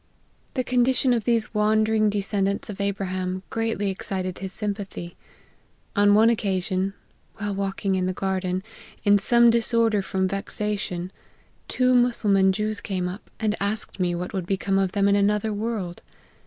The condition of these LIFE OF HENRY MARTYN. 143 wandering descendants of Abraham, greatly excited nis sympathy. On one occasion " while walking in the garden, in some disorder from vexation, two Mussulman Jews came up, and asked me what would become of them in another world